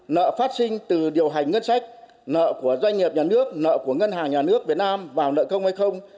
nợ phát sinh từ điều hành ngân sách nợ của doanh nghiệp nhà nước nợ của ngân hàng nhà nước việt nam vào nợ công hay không